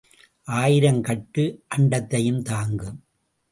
ஆயிரம் கட்டு அண்டத்தைத் தாங்கும்.